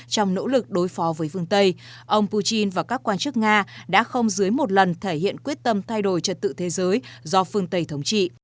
trong nỗ lực đối phó với phương tây ông putin và các quan chức nga đã không dưới một lần thể hiện quyết tâm thay đổi trật tự thế giới do phương tây thống trị